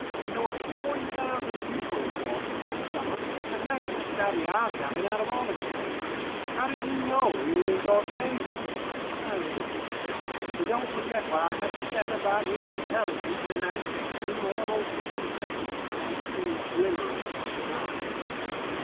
There were forty thousand people in Dawson that summer, and how did he savvy our cabin out of all the cabins? How did he know we were in Dawson, anyway? I leave it to you. But don't forget what I have said about his intelligence and that immortal something I have seen glimmering in his eyes.